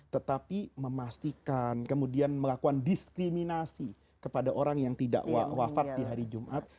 tetapi memastikan kemudian melakukan diskriminasi kepada orang yang tidak wafat di hari jumat